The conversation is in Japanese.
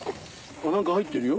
何か入ってるよ。